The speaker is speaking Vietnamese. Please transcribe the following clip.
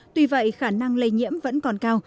tuy vậy khả năng lây nhiễm vẫn còn cao